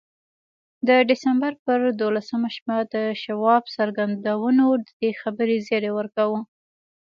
د ډسمبر پر دولسمه شپه د شواب څرګندونو د دې خبرې زيري ورکاوه.